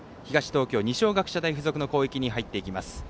東京、二松学舎大付属の攻撃に入っていきます。